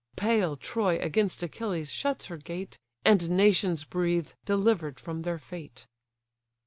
Pale Troy against Achilles shuts her gate: And nations breathe, deliver'd from their fate.